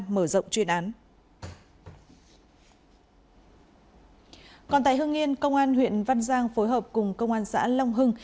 mở rộng chuyên án còn tại hương yên công an huyện văn giang phối hợp cùng công an xã long hưng